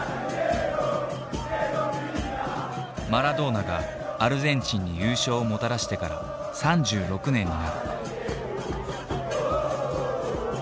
マラドーナがアルゼンチンに優勝をもたらしてから３６年になる。